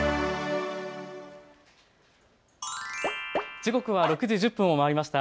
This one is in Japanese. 時刻は６時１０分を回りました。